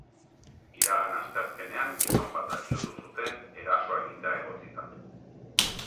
Iragan asteazkenean gizon bat atxilotu zuten erasoa egitea egotzita.